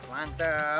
seragam seragam seragam